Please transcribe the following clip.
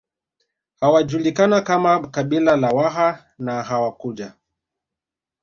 Hawakujulikana kama kabila la Waha na hawakuja